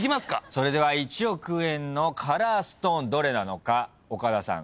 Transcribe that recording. それでは１億円のカラーストーンどれなのか岡田さん